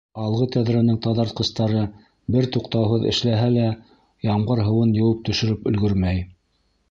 Алғы тәҙрәнең таҙартҡыстары бер туҡтауһыҙ эшләһә лә, ямғыр һыуын йыуып төшөрөп өлгөрмәй.